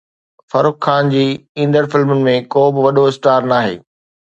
فرح خان جي ايندڙ فلم ۾ ڪو به وڏو اسٽار ناهي